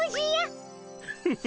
フフフ。